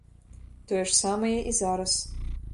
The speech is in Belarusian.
Тое ж самае і зараз.